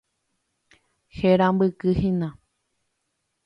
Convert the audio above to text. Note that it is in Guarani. Herambykyhína.